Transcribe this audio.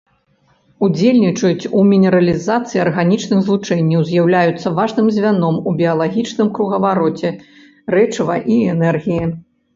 Удзельнічаюць у мінералізацыі арганічных злучэнняў, з'яўляюцца важным звяном у біялагічным кругавароце рэчыва і энергіі.